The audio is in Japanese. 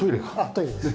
トイレです。